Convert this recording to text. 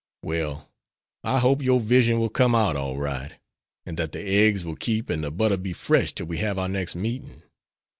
"Well, I hope your vision will come out all right, and that the eggs will keep and the butter be fresh till we have our next meetin'."